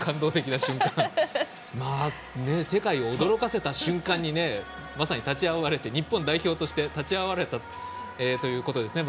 世界を驚かせた瞬間に日本代表として立ち会われたということですね